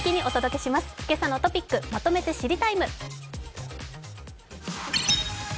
「けさのトピックまとめて知りＴＩＭＥ，」。